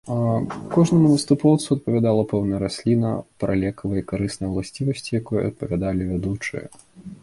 Кожнаму выступоўцу адпавядала пэўная расліна, пра лекавыя і карысныя ўласцівасці якой апавядалі вядучыя.